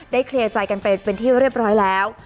เคลียร์ใจกันไปเป็นที่เรียบร้อยแล้ว